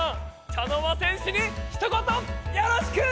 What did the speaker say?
茶の間戦士にひと言よろしく！